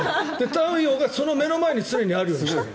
太陽が目の前に常にあるようにしてる。